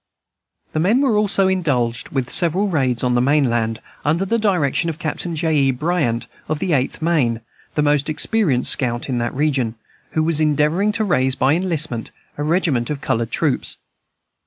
The men were also indulged with several raids on the mainland, under the direction of Captain J. E. Bryant, of the Eighth Maine, the most experienced scout in that region, who was endeavoring to raise by enlistment a regiment of colored troops.